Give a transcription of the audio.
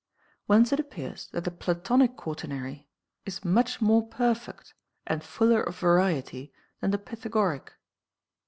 Whence it appears that the Platonic quaternary is much more perfect and fuller of variety than the Fythagoric.